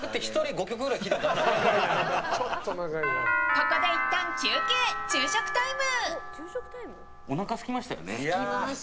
ここでいったん休憩昼食タイム。